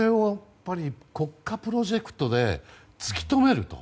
やっぱり国家プロジェクトで突き止めると。